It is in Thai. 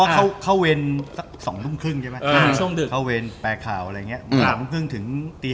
ต้อนจนเข้าเวนสัก๒นุ่มครึ่งเพราะเข้าเวนแปลกคราวถึงตี๕